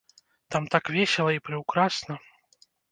Там так весела і прыўкрасна?